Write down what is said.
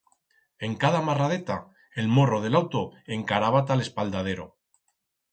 En cada marradeta, el morro de l'auto encaraba ta l'espaldadero.